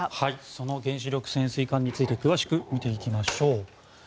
その原子力潜水艦について詳しく見ていきましょう。